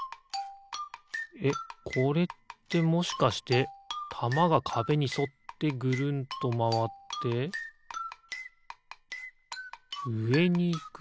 えっこれってもしかしてたまがかべにそってぐるんとまわってうえにいく？